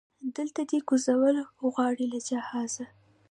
دلته دی کوزول غواړي له جهازه